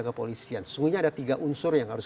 kepolisian sesungguhnya ada tiga unsur yang harus